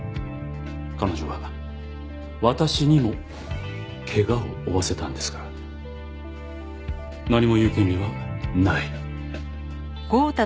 彼女は私にも怪我を負わせたんですから何も言う権利はない。